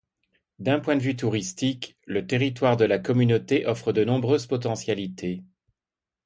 D'un point de vue touristique, le territoire de la Communauté offre de nombreuses potentialités.